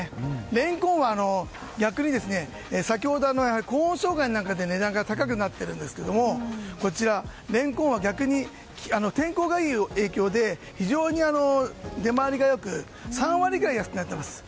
レンコンは逆に先ほどの野菜は高温障害なんかで値段が高くなっているんですがレンコンは逆に天候がいい影響で非常に出回りが良く３割くらい安くなっています。